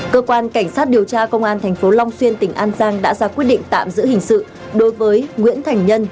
cơ quan cảnh sát điều tra công an tp long xuyên tỉnh an giang đã ra quyết định tạm giữ hình sự đối với nguyễn thành nhân